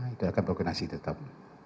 itu akan berkoordinasi tetap